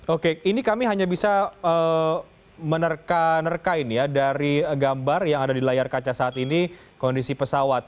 oke ini kami hanya bisa menerka nerkain ya dari gambar yang ada di layar kaca saat ini kondisi pesawat